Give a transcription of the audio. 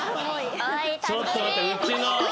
ちょっと待てうちの。